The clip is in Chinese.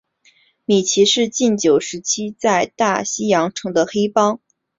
米奇是禁酒时期在大西洋城的黑帮。